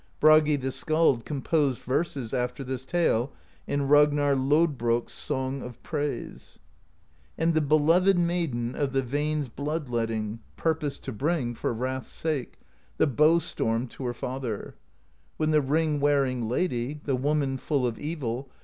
Bragi the Skald composed verses after this tale in Ragnarr Lodbrok's Song of Praise: And the beloved Maiden Of the veins' blood letting Purposed to bring, for wrath's sake. The bow storm to her father: When the ring wearing lady, The woman full of evil.